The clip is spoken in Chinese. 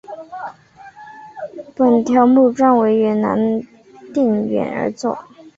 本条目专为云南定远而作。